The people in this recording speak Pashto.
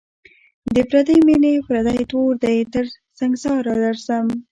د پردۍ میني پردی تور دی تر سنگساره درځم